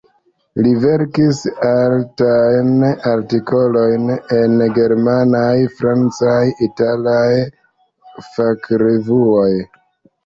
Li verkis artajn artikolojn en germanaj, francaj, italaj fakrevuoj.